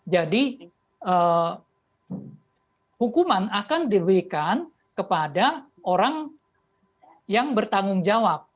jadi hukuman akan diberikan kepada orang yang bertanggung jawab